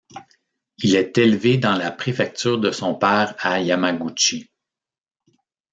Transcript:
Il est élevé dans la préfecture de son père à Yamaguchi.